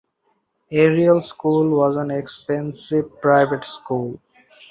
Ariel School was an expensive private school.